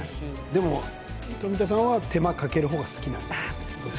でも富田さんは、手間をかける方が好きなんですよね。